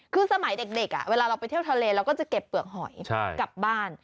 คือสมัยเด็กเวลาเราไปเที่ยวทะเลเราก็จะเก็บเปลือกหอยกลับบ้าน